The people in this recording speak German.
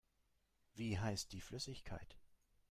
Wie heißt die Flüssigkeit?